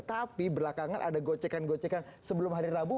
tapi belakangan ada gocekan gocekan sebelum hari rabu